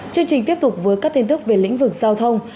chương trình tiếp tục với các tin tức về lĩnh vực giao thông